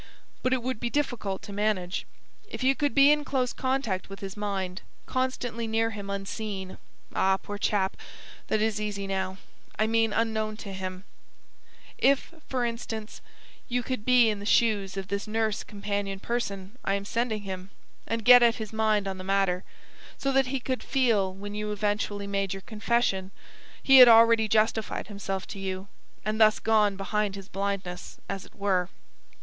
But it would be difficult to manage. If you could be in close contact with his mind, constantly near him unseen ah, poor chap, that is easy now I mean unknown to him; if, for instance, you could be in the shoes of this nurse companion person I am sending him, and get at his mind on the matter; so that he could feel when you eventually made your confession, he had already justified himself to you, and thus gone behind his blindness, as it were."